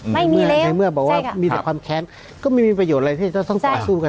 ไม่มีเลยอ่ะใช่ค่ะในเมื่อบอกว่ามีถึงความแคะนก็ไม่มีประโยชน์อะไรที่จะต้องต่อสู้กัน